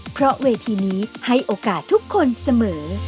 เพราะเวทีนี้ให้โอกาสทุกคนเสมอ